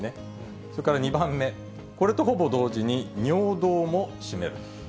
それから２番目、これとほぼ同時に、尿道も締める。